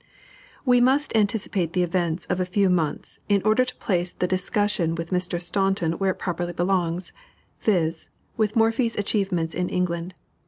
We must anticipate the events of a few months, in order to place the discussion with Mr. Staunton where it properly belongs, viz., with Morphy's achievements in England.